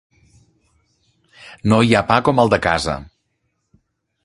No hi ha pa com el de casa.